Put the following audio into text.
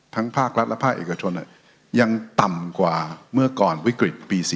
ภาครัฐและภาคเอกชนยังต่ำกว่าเมื่อก่อนวิกฤตปี๔๔